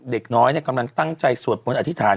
เด็กน้อยกำลังตั้งใจสวดมนต์อธิษฐาน